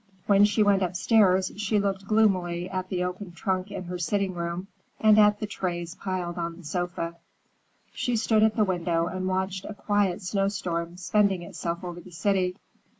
When she went upstairs, she looked gloomily at the open trunk in her sitting room, and at the trays piled on the sofa. She stood at the window and watched a quiet snowstorm spending itself over the city.